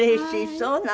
そうなの。